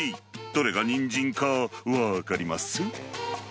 どれがにんじんか分かります？